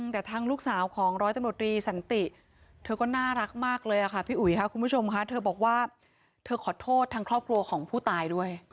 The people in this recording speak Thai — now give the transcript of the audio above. แต่ทางลูกสาวของร้อยตำรวจรีสันติเธอก็น่ารักมากเลยค่ะพี่อุ๋ยค่ะคุณผู้ชมค่ะเธอบอกว่าเธอขอโทษทางครอบครัวของผู้ตายด้วย